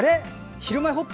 「ひるまえほっと」